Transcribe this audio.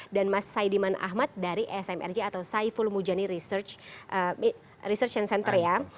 dan mas saidiman ahmad dari smrg atau saiful mujani research center